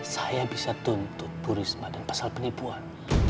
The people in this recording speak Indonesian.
saya bisa tuntut bu risma dan pasal penipuan